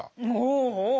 おお！